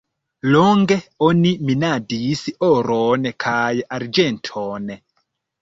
Longe oni minadis oron kaj arĝenton.